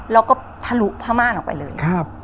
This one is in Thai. แล้วก็ทะลุผ้าม่านออกไปเลย